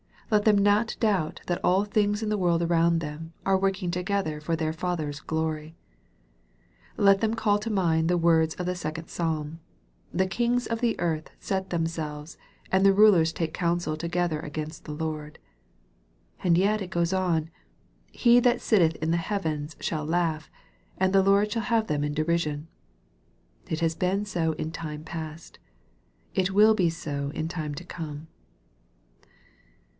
Let them not doubt that all things in the world around them, are working together for their Father's glory. Let them call to mind the words of the second Psalm :" The kings of the earth set themselves, and the rulers take council together against the Lord." And yet it goes on, " He that sitteth in the heavens shall laugh : the Lord shall have them in derision." It has been so in time past. It will be so in time to come.